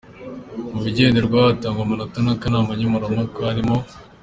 Mu bigenderwaho hatangwa amanota n’akanama nkemurampaka harimo:.